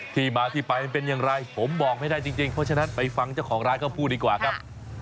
ที่มาที่ไปมันเป็นอย่างไรผมบอกไม่ได้จริงเพราะฉะนั้นไปฟังเจ้าของร้านเขาพูดดีกว่าครับ